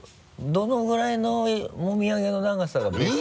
どのぐらいのもみあげの長さがベストなの？